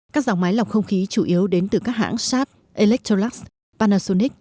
các dòng máy lọc không khí chủ yếu đến từ các hãng sharp electrolux panasonic